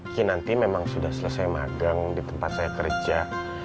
kinanti memang sudah selesai magang di tempat saya kerja